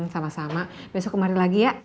sama sama besok kemari lagi ya